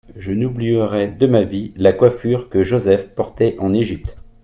Je n'oublierai de ma vie la coiffure que Joseph portait en Égypte.